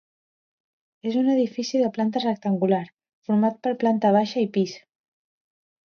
És un edifici de planta rectangular, format per planta baixa i pis.